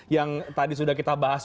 yang tadi sudah kita bahas